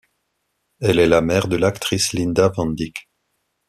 Elle est la mère de l'actrice Linda van Dyck.